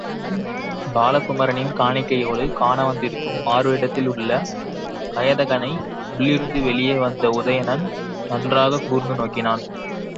பாலகுமரனின் காணிக்கையோடு காண வந்திருக்கும் மாறுவேடத்திலுள்ள வயந்தகனை உள்ளிருந்து வெளியே வந்த உதயணன் நன்றாகக் கூர்ந்து நோக்கினான்.